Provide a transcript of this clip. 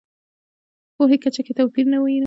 پوهې کچه کې توپیر وینو.